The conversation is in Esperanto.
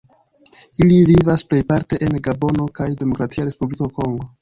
Ili vivas plejparte en Gabono kaj Demokratia Respubliko Kongo.